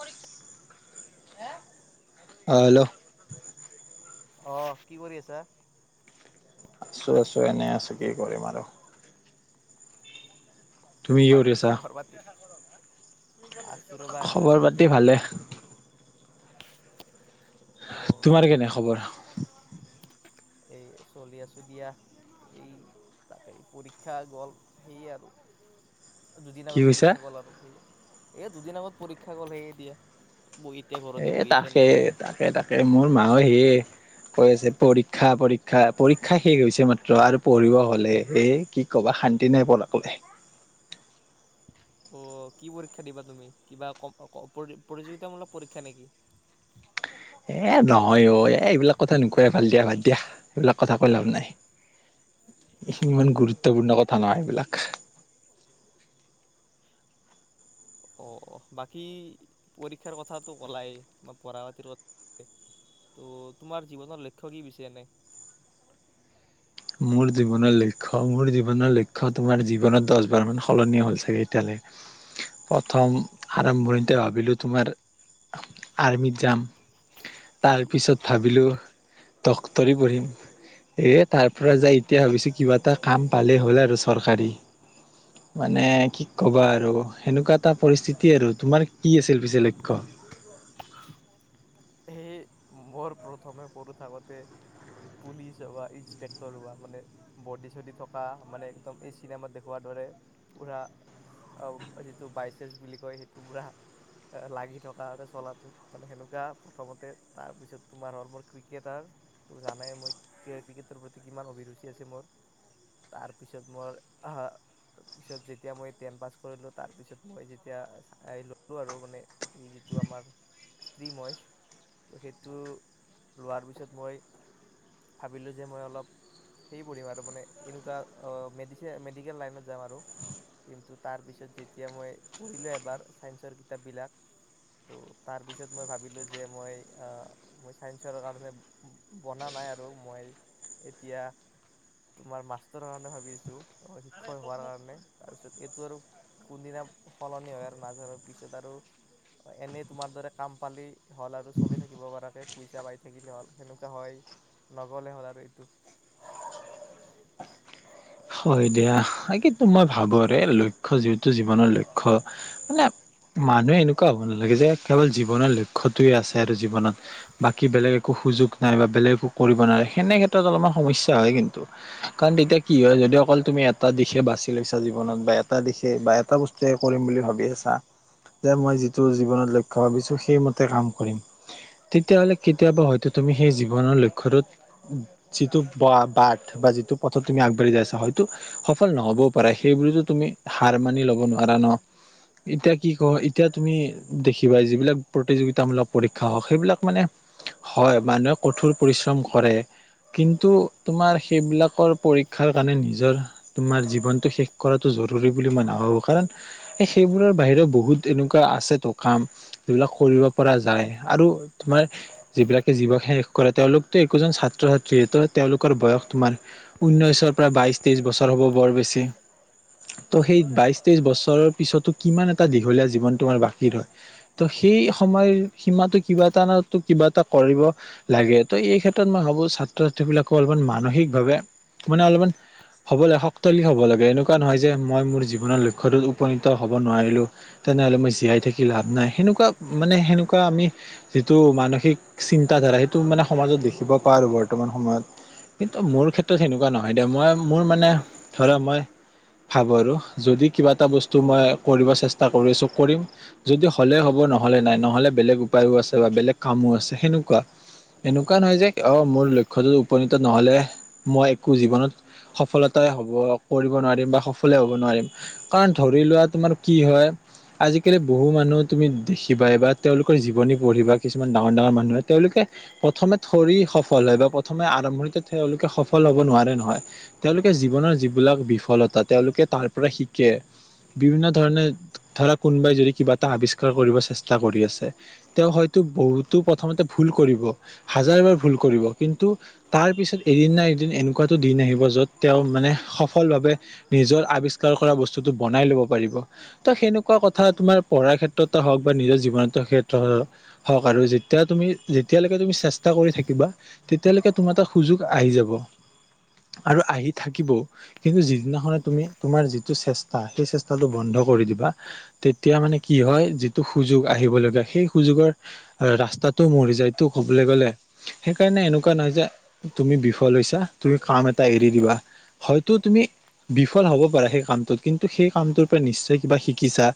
অ hello আহ কি কৰি আছা। আছো আছো এনে আছো কি কৰিম আৰু তুমি কি কৰি বাকী আছা খবৰ পাতি আচুৰব নে খবৰ পাতি ভালে তোমাৰ কেনে খবৰ এই চলি আ চ দিয়া এই তাক পৰীক্ষা গ'ল সেয়ে আৰু দুদিন কি আগত কৈছা পৰীক্ষা গ'ল আৰু সেই এ দুদিন আগত পৰীক্ষা গ'লে এতিয়া ঘৰতে এ বহি আছো এনে। তাকে তাকে তাকে- এ মোৰ মাে সে কৈ আছে পৰীক্ষা পৰীক্ষা পৰীক্ষা শেষ হৈছে মাত্ৰ আৰু পঢ়িব হলে স কি কবা শান্তি নাই পলাবলৈ অ কি পৰীক্ষা দিবা তুমি কিবা ক প্ৰতিযোগিতামূলক পৰীক্ষা নেকি। এ নহয় অ এই এইবিলাক কথা নকোৱয় ভাল দিয়া ভাদ দিয়া এইবিলাক কথা কৈ লাভ নাই ইমান গুৰুত্বপূৰ্ণ কথা নহয় এইবিলাক। অ বাকী পৰীক্ষাৰ কথাতটো কলাই বা পঢ়া পতিৰ কথা ত' তোমাৰ জীৱনৰ লক্ষ্য় কি পছে এনে মোৰ জীৱনৰ লক্ষ্য় মোৰ জীৱনৰ লক্ষ্্য তোমাৰ জীৱনত দহ বাৰ মান সলনি হ'ল চাগে এতিয়ালৈ প্ৰথম আৰম্ভণিতে ভাবিলো তোমাৰ আৰ্মিত যাম তাৰপিছত ভাবিলো ড্টৰী পঢ়িম এ তাৰ পৰা যাই এতিয়া ভাবিছোঁ কিবা এটা কাম ভালেই হ'ল আৰু চৰকাৰী মানে কি ক'বা আৰু সেনেকুৱা এটা পৰিস্থিতি আৰু তোমাৰ কি আছিল পিছে লক্ষ্য সেই মোৰ প্ৰথমে সৰু থাকোতে পুলি, চ হোৱা ইনসপেক্টৰ, হোৱা মানে বডি চডি থকা মানে একদম এই চিনেমাত দেখওৱাৰ দৰে পুৰা যিটো বাইচচ বুলি কয় সেইটো পুৰা লাগি থকা চলাটো মানে সেনেকুৱা প্ৰথমতে তাৰপিছত তোমাৰ হল মোৰ ক্ৰিকেটাৰ তো জানাই মই ক্ৰিকেটৰ প্ৰতি কিমান অভিৰুচি আছে মোৰ তাৰপিছত মই পিছত যেতিয়া মই টেন পাছ কৰিলোঁ তাৰপিছত মই যেতিয়া ল'লোঁ আৰু মানে এই যিটো আমাৰ ষ্ট্ৰীম হয় তো সেইটো লোৱাৰ পিছত মই ভাবিলোঁ যে মই অলপ সেই পঢ়িম আৰু মানে এনেকুৱা মড মেডিকেল লাইনত যাম আৰু কিন্তু তাৰপিছত যেতিয়া মই পঢ়িলোঁ এবাৰ চাইন্সৰ কিতাপবিলাক ত' তাৰপিছত মই ভাবিলোঁ যে মই চাইন্সৰ কাৰণে বনা নাই আৰু মই এতিয়া। তোমাৰ মাষ্টৰৰ কাৰণে ভাবিছোঁ শিক্ষক হোৱাৰ কাৰণে তাৰপিছত এইটো আৰু কোনদিনা সলনি হয়, আৰু নাজানো পিছত আৰু এনেই তোমাৰ দৰে কাম পালি হ'ল আৰু চলি থাকিব পৰাকে পইচা পাই থাকিলে হ'ল, সেনেকুৱা হয়, নগলে হ'ল আৰু এইটো। হয়, দিয়া কিন্তু মই ভাবোৰে লক্ষ্য যিহেতু জীৱনৰ লক্ষ্য মানে মানুহে এনেকুৱা হ'ব নালাগে যে, কেৱল জীৱনৰ লক্ষ্যটোয়ে আছে আৰু জীৱনত বাকী বেলেগ একো সুযোগ নাই বা বেলেগ একো কৰিব নোৱাৰে সেনে ক্ষেত্ৰত অলপমান সমস্যা হয়, কিন্তু কাৰণ তেতিয়া কি হয় যদ যদি অকল তুমি এটা দিশে বাচি লৈছা জীৱনত বা এটা দিশে বা এটা বস্তুৱে কৰিম বুলি ভাবি আছা যে, মই যিটো জীৱনত লক্ষ্য ভাবিছো সেইমতে কাম কৰিম। তেতিয়া হ'লে কেতিয়াবা হয়তো তুমি সেই জীৱনৰ লক্ষ্যটোত যিটো বাট বা যিটো পথত তুমি আগবাঢ়ি যাইছা হয়তো সফল নহবও পাৰে সেইবোৰতো তুমি হাৰ মানি লব পাৰা ন? এতিয়া কি ক এতিয়া তুমি দেখিবা যিবিলাক প্ৰতিযোগিতামূলক পৰীক্ষা হওঁক সেইবিলাক মানে হয়, মানুহে কঠোৰ পৰিশ্ৰম কৰে কিন টো তোমাৰ সেইবিলাকৰ পৰীক্ষাৰ কাৰণে নিজৰ তোমাৰ জীৱনতটো শেষ কৰাটো জৰুৰী বুলি মই নাভাবো কাৰণ এই সেইবোৰৰ বাহিৰেও বহুত এনেকুৱা আছেতো কাম যিবিলাক কৰিব পৰা যায়। আৰু তোমাৰ যিবিলাকে জীৱক শেষ কৰে তেওঁলোকতো একোজন ছাত্ৰ ছাত্ৰীত তেওঁলোকৰ বয়স তোমাৰ উনৈশৰ প্ৰায় বাইশ, তেইশ বছৰ হ'ব বৰ বেছি। ত' সেই বাইশ তেইশ বছৰৰ পিছতো কিমান এটা দীঘলীয়া জীৱন তোমাৰ বাকী ৰই, ত' সেই সময় সীমাটো কিবা এটা ন কিবা এটা কৰিব লাগে ত' এই ক্ষেত্ৰত মই ভাবো ছাত্ৰ ছাত্ৰী বিলাকো অলপমান মানসিকভাৱে মানে অলপমান হ'ব লাগে শক্তিশালী হ'ব লাগে এনেকুৱা নহয় যে, মই মোৰ জীৱনৰ লক্ষ্যটোত উপনীত হ'ব নোৱাৰিলো তেনেহ'লে মই জীয়াই থাকি লাভ নাই সেনেকুৱা মানে সেনেকুৱা আমি যিটো মানসিক চিন্তাধাৰা সেইটো মানে সমাজত দেখিব পাৰো বৰ্তমান সময়ত। কিন্তু মোৰ ক্ষেত্ৰত সেনেকোৱা নহয় মই মোৰ মানে ধৰা মই ভাবো আৰু যদি কিবা এটা বস্তু মই কৰিব চেষ্টা কৰিছো কৰিম যদি হ'লে, হ'ব নহ'লে নাই নহ'লে বেলেগ উপায়ো আছে বা বেলেগ কামো আছে সেনেকুৱা। এনেকুৱা নহয় যে অ মোৰ লক্ষ্যটো উপনীত নহ'লে মই একো জীৱনত সফলতাই হ'ব কৰিব নোৱাৰিম বা সফলে হ'ব নোৱাৰিম কাৰণ ধৰি লোৱাত তোমাৰ কি হয়, আজিকালি বহু মানুহত তুমি দেখিবা বা তেওঁলোকৰ জীৱনী পঢ়িবা কিছুমান ডাঙৰ, ডাঙৰ মানুহে তেওঁলোকে প্ৰথমে থৰি সফল হয় বা প্ৰথমে আৰম্ভণিতে তেওঁলোকে সফল হ'ব নোৱাৰে নহয় তেওঁলোকে জীৱনৰ যিবিলাক বিফলতা তেওঁলোকে তাৰ পৰা শিকে, বিভিন্ন ধৰণে ধৰা কোনোবাই যদি কিবা এটা আৱিষ্কাৰ কৰিব চেষ্টা কৰি আছে তেওঁ হয়তো বহুতো প্ৰথমতে ভুল কৰিব হাজাৰবাৰ ভুল কৰিব কিন্তু তাৰ পিছত এদিন না এদিন এনেকুৱাতো দিন আহিব য'ত তেওঁ মানে সফল ভাৱে নিজৰ আৱিষ্কাৰ কৰা বস্তুটো বনাই লব পাৰিব ত সেনেকুৱা কথা তোমাৰ পঢ়াৰ ক্ষেত্ৰতে হওঁক বা নিজৰ জীৱনত ক্ষেত্ৰ হওঁক আৰু যেতিয়া তুমি যেতিয়ালৈকে তুমি চেষ্টা কৰি থাকিবা তেতিয়ালৈকে তোমাৰ এটা সুযোগ আহি যাব। আৰু আহি থাকিবও কিন্তু যিদিনাখনে তুমি তোমাৰ যিটো চেষ্টা সেই চেষ্টাটো বন্ধ কৰি দিবা তেতিয়া মানে কি হয় যিটো সুযোগ আহিব লগীয়া সেই সুযোগৰ ৰাস্তাটো মৰি যায়টো কবলৈ গ'লে সেইকাৰণে এনেকুৱা নহয় যে তুমি বিফল হৈছা তুমি কাম এটা টা এৰি দিবা হয়তো তুমি বিফল হ'ব পাৰা সেই কামটোত কিন্তু সেই কামটোৰ পৰা নিশ্চয় কিবা শিকিছা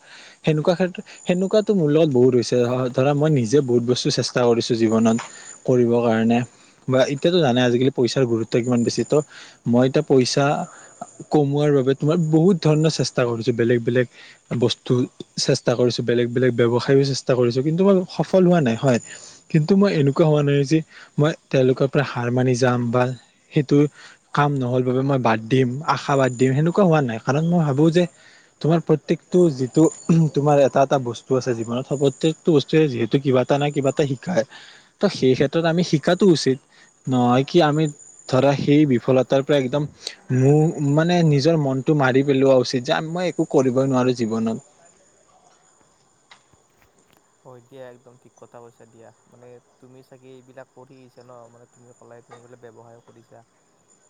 সেনেকুৱা ক্ষেত্ৰত সেনেকুৱাতো মোৰ লগত বহুত হৈছে ধৰা মই নিজে বহুত বস্তু চেষ্টা কৰিছো জীৱনত কৰিব কাৰণে বা এতিয়াতো জানে আজিকালি পইচাৰ গুৰুত্ব কিমান বেছি ত মই এতিয়া পইচা কমোৱাৰ বাবে তোমাৰ বহুত ধৰণৰ চেষ্টা কৰিছো বেলেগ, বেলেগ বস্তু চেষ্টা কৰিছো বেলেগ, বেলেগ ব্যৱসায়য়ো চেষ্টা কৰিছো কিন্তু মই সফল হোৱা নাই হয়কিন্তু মই এনেকুৱা হোৱা নাই যে মই তেওঁলোকৰ পৰা হাৰ মানি যাম বা সেইটো কাম ন'হল বাবে মই বাদ দিম, আশা বাদ দিম সেনেকুৱা হোৱা নাই কাৰণ মই ভাবো যে তোমাৰ প্ৰত্যকটো যিটো তোমাৰ এটা এটা বস্তু আছে জীৱনত প্ৰত্যকটো বস্তুৱে যিহেতু কিবা এটা নাই কিবা এটা শিকাই ত সেই ক্ষেত্ৰত আমি শিকাতটো উচিত নহয় কি আমি ধৰা সেই সফলতাৰ পৰা একদম মোৰ মানে নিজৰ মনটো মাৰি পেলোৱা উচিত যে, মই একো কৰিবই নোৱাৰো জীৱনত। হয়, দিয়া একদম ঠিক কথা কৈছা দিয়া মানে তুমি চাগে এইবিলাক কৰি আহিছা ন মানে তুমি ক'লাই তুমি বোলে ব্যৱসায় কৰিছা,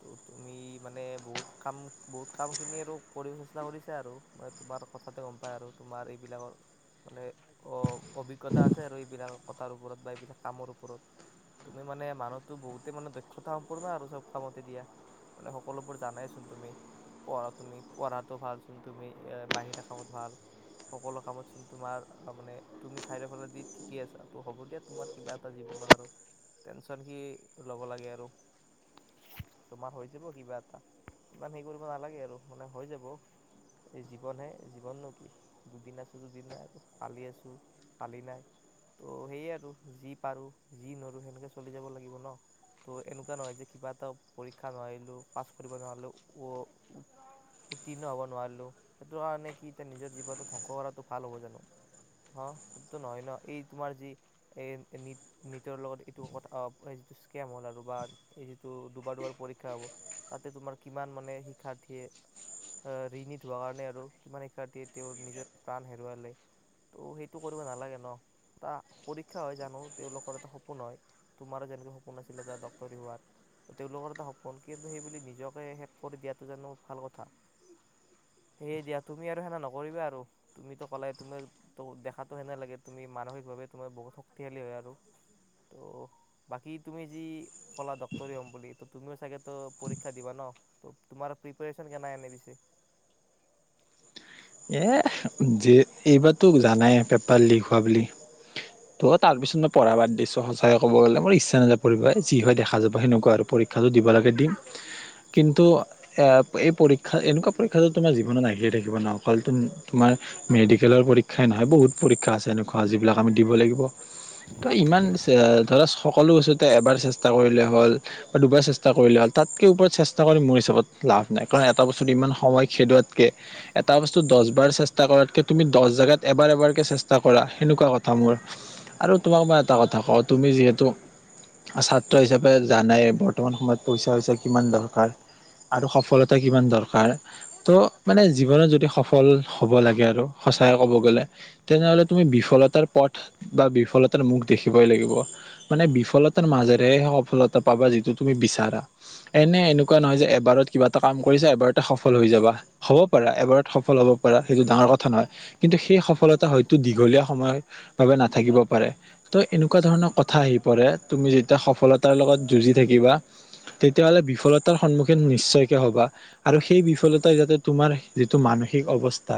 ত' তুমি মানে বহুত কাম বহুত কামখিনি আৰু কৰিব চেষ্টা কৰিছা আৰু মানে তোমাৰ কথাতে গম পায় আৰু তোমাৰ এইবিলাকৰ মানে অ। অভিজ্ঞতা আছে আৰু এইবিলাক কথাৰ ওপৰত বা এইবিলাক কামৰ ওপৰত তুমি মানে মানুহো বহুতে মানে দক্ষতা সম্পূৰ্ণ আৰু চব কামতে দিয়া মানে সকলোবোৰ জানাইচোন তুমি পঢ়া তুমি পঢ়াটো ভাল চোন তুমি বাহিৰা কামত ভাল সকলো কামত চোন তোমাৰ মানে তুমি চাৰিফালে দি ঠিকে আছা ত হ'ব দিয়া তোমাৰ কিবা এটা জীৱনত আৰু টেনচন কি লব লাগে আৰু তোমাৰ হৈ যাব কিবা এটা ইমান হেৰি কৰিব নালাগে আৰু মানে হৈ যাব এই জীৱনহে জীৱননো কি দুদিন আছো দুদিন নাই আৰু কালি আছো কালি নাই ত' সেইয়ে আৰু যি পাৰো যি নৰো সেনেকে চলি যাব লাগিব ন? ত এনেকুৱা নহয় যে, কিবা এটা পৰীক্ষা নোৱাৰিলো পাছ কৰিব নোৱাৰিলো ও উত্তীৰ্ণ হ'ব নোৱাৰিলো সেইটো কাৰণে কি এতিয়া নিজৰ জীৱনত ধ্বংস কৰাটো ভাল হ'ব জানো? অ', সেই নহয় ন এই তোমাৰ যি এ নিট নিটৰ লগত এইটো আ কথা যিটো স্কেম হ'ল আৰু বা এই যিটো দুবাৰ দুবাৰ পৰীক্ষা হ'ব তাতে তোমাৰ কিমান মানে শিক্ষাৰ্থীয়ে অ', ৰিণিত হোৱা কাৰণে আৰু কিমান শিক্ষাৰ্থীয়ে তেওঁৰ নিজৰ প্ৰাণ হেৰুৱালে। ত সেইটো কৰিব নালাগে ন এটা পৰীক্ষা হয় জানো তেওঁলোকৰ এটা সপোন হয়, তোমাৰো যেনেকে সপোন আছিলে এটা ডক্তৰী হোৱাৰ তেওঁলোকৰ এটা সপোন কিন্তু সেই বুলি নিজকে শেষ কৰি দিয়াটো জানো ভাল কথা? সেয়ে দিয়া তুমি আৰু সেনা নকৰিবা আৰু তুমিতো কলে তুমি ত দেখাতটো হেনে লাগে তুমি মানসিকভাৱে তুমি বহুত শক্তিশালী হয়, আৰু ত বাকী তুমি যি কলা ডক্তৰী হম বুলি ত তুমিও চাগেো পৰীক্ষা দিবা ন? তোমাৰ প্ৰিপেৰিয়েচন কেনে [unintelligible] এ যে, এইবাৰাতো জানাই পেপাৰ লিক হোৱা বুলি তো তাৰপিছত মই পঢ়া বাদ দিছোঁ সঁচাকৈ ক'ব গ'লে মোৰ ইচ্ছা নাযায় পঢ়িব যি হয় দেখা যাব সেনেকুৱা আৰু পৰীক্ষাটো দিব লাগে দিম কিন্তু এই পৰীক্ষা এনেকুৱা পৰীক্ষাটো তোমাৰ জীৱনত আহিয়ে থাকিব ন? অকলত তোমাৰ মেডিকেলৰ পৰীক্ষাই নহয় বহুত পৰীক্ষা আছে এনেকুৱা যিবিলাক আমি দিব লাগিব তো ইমান ধৰা সকলো বস্তুতে এবাৰ চেষ্টা কৰিলে হ'ল বা দুবাৰ চেষ্টা কৰিলে হ'ল তাতকৈ ওপৰত চেষ্টা কৰি মোৰ হিচাপত লাভ নাই কাৰণ এটা বস্তুত ইমান সময় খেদোৱাত কে তা বস্তু দচ বাৰ চেষ্টা কৰাতকৈ তুমি দহ জেগাত এবাৰ এবাৰকৈ চেষ্টা কৰা সেনেকুৱা কথা মোৰ আৰু তোমাক মই এটা কথা কওঁ তুমি যিহেতু ছাত্ৰ হিচাপে জানাই বৰ্তমান সময়ত পইচা, পইচা কিমান দৰকাৰ আৰু সফলতা কিমান দৰকাৰ ত' মানে জীৱনত য সফল হ'ব লাগে আৰু সচাইে ক'ব গ'লে তেনেহ'লে তুমি বিফলতাৰ পথ বা বিফলতাৰ মুখ দেখিবই লাগিব মানে বিফলতাৰ মাজেৰেহে সফলতা পাবা যিটো তুমি বিচাৰা এনে এনেকুৱা নহয় যে, এবাৰত কিবা এটা কাম কৰিছা এবাৰতে সফল হৈ যাবা হ'ব পাৰা এবাৰত সফল হ'ব পৰা সেইটো ডাঙৰ কথা নহয়, কিন্তু সেই সফলতা হয়তো দীঘলীয়া সময়ত ভাবে নাথাকিব পাৰে ত' এনেকুৱা ধৰণৰ কথা আহি পৰে তুমি যেতিয়া সফলতাৰ লগত যুঁজি থাকিবা তেতিয়াহলে বিফলতাৰ সন্মুখীন নিশ্চয়কে হবা আৰু সেই বিফলতাই যাতে তোমাৰ যিটো মানসিক অৱস্থা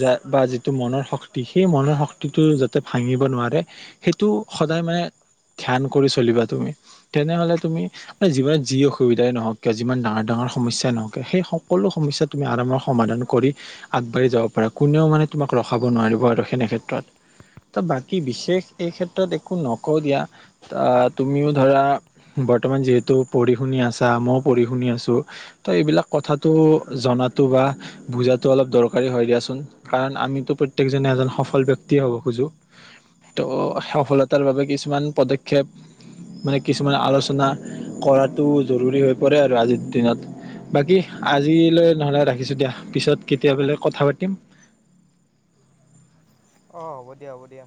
য বা যিটো মনৰ শক্তি সেই মনৰ শক্তি টো যাতে ভাঙিব নোৱাৰে সেইটো সদায় মানে কৰী আগবাঢ়ি যাব পাৰা কোনেও মানে তোমাক ৰখাব নোৱাৰিব আৰু সনেক্ষেত্ৰত ত বাকী বিশেষ এই ক্ষেত্ৰত একো নকওঁ দিয়া তুমিও ধৰা বৰ্তমান যিহেতু পঢ়ি শুনি আছা মই পঢ়ি শুনি আছো ত এইবিলাক কথা টো জনাটো বা বুজাটো অলপ দৰকাৰী হয় দিয়াচোন কাৰণ আমিতো প্ৰত্যেকজনে এজন সফল ব্যক্তি হ'ব খোজো ত' সফলতাৰ বাবে কিছুমান পদক্ষেপ মানে কিছুমান আলোচনা কৰাটো জৰুৰী হৈ পৰে আৰু আজি দিনত বাকী আজিলৈ নহ'লে ৰাখিছোঁ দিয়া কেতিয়াবলে কথা পাতিম অ হ'ব দিয়া হ'ব দিয়া